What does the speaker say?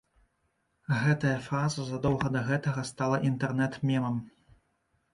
Гэтая фраза задоўга да гэтага стала інтэрнэт-мемам.